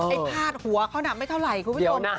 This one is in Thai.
พาดหัวเขาน่ะไม่เท่าไหร่คุณผู้ชม